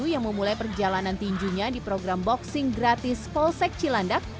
yang memulai perjalanan tinjunya di program boxing gratis polsek cilandak